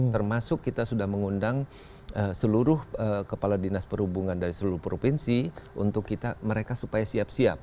termasuk kita sudah mengundang seluruh kepala dinas perhubungan dari seluruh provinsi untuk kita mereka supaya siap siap